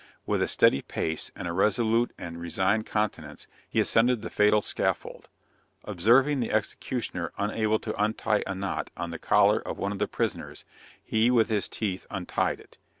With a steady pace, and a resolute and resigned countenance, he ascended the fatal scaffold. Observing the executioner unable to untie a knot on the collar of one of the prisoners, he with his teeth untied it.